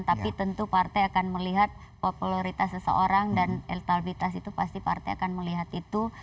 tapi tentu partai akan melihat popularitas seseorang dan elektabilitas itu pasti partai akan melihat itu